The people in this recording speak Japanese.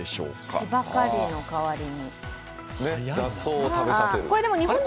芝刈りの代わりに？